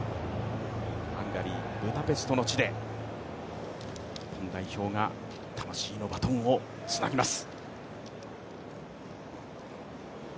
ハンガリー・ブダペストの地で日本代表が魂のバトンをつなぎます。